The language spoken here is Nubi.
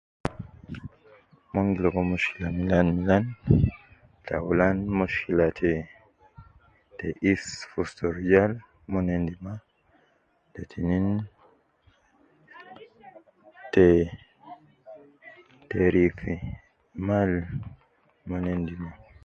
Mon gi ligo mushkila milan milan, taulan mushkila te, te isi fi ustu rujal mon endi ma, te tinin te, te reapi mal mon endi ma